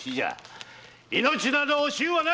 命など惜しゅうはない！